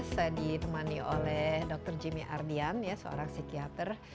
saya ditemani oleh dr jimmy ardian seorang psikiater